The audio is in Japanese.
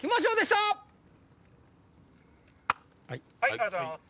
ありがとうございます。